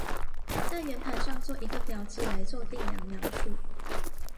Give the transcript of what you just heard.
在圆盘上做一个标记来做定量描述。